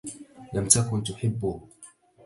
لم تكن تحبه.